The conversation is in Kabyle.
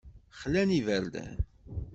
Xlan iberdan.